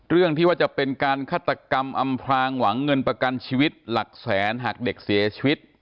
เรื่องที่ว่าจะเป็นการฆาตกรรมอำพลางหวังเงินประกันชีวิตหลักแสนหากเด็กเสียชีวิต